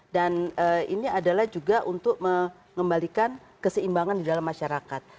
dan ini adalah juga untuk mengembalikan keseimbangan di dalam masyarakat